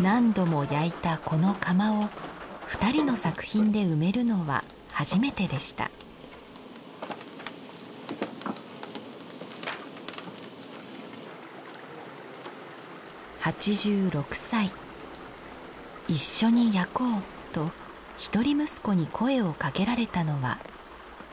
何度も焼いたこの窯を２人の作品で埋めるのは初めてでした８６歳「一緒に焼こう」と一人息子に声を掛けられたのは春でした